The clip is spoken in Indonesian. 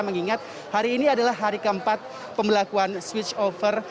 mengingat hari ini adalah hari keempat pembelakuan switch over